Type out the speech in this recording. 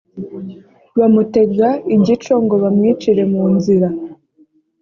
bamutega igico ngo bamwicire mu nzira